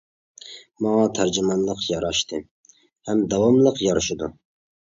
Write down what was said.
ماڭا تەرجىمانلىق ياراشتى ھەم داۋاملىق يارىشىدۇ.